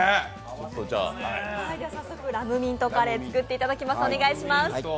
早速、ラムミントカレー作っていただきます。